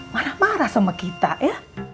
marah marah sama kita ya